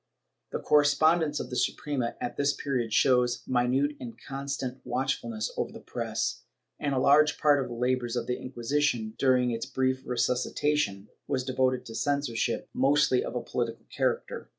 ^ The correspondence of the Suprema, at this period, shows minute and constant watchfulness over the press, and a large part of the labors of the Inquisition, during its brief resuscitation, was devoted to censorship, mostly of a political character.